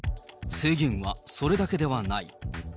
制限はそれだけではない。